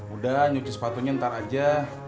udah nyuci sepatunya ntar aja